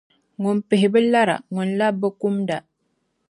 Ŋun pihi bi lara, ŋun labi bi kumda.